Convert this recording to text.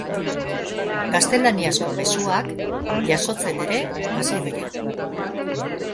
Gaztelaniazko mezuak jasotzen ere hasi dira.